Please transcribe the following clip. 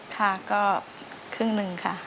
ค่ะก็ครึ่งหนึ่งค่ะ